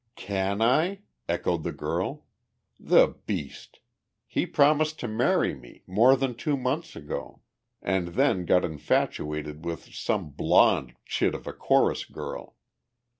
"Can I?" echoed the girl. "The beast! He promised to marry me, more than two months ago, and then got infatuated with some blond chit of a chorus girl.